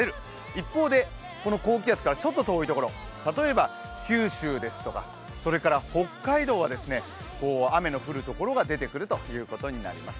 一方で、この高気圧からちょっと遠いところ、例えば九州ですとか北海道は雨の降るところが出てくるということになります。